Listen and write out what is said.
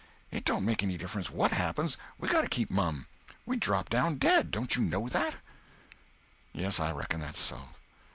It don't make any difference what happens, we got to keep mum. We'd drop down dead—don't you know that?" "Yes, I reckon that's so."